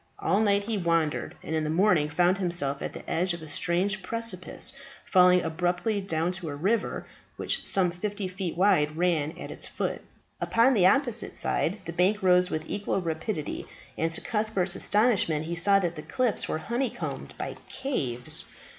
All night he wandered, and in the morning found himself at the edge of a strange precipice falling abruptly down to a river, which, some fifty feet wide, ran at its foot. Upon the opposite side the bank rose with equal rapidity, and to Cuthbert's astonishment he saw that the cliffs were honeycombed by caves.